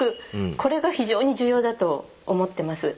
これが非常に重要だと思ってます。